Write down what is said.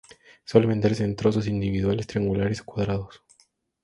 Suele venderse en trozos individuales triangulares o cuadrados.